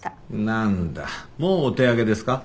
なんだもうお手上げですか？